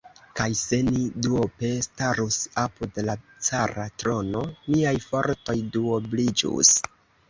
Kaj se ni duope starus apud la cara trono, niaj fortoj duobliĝus!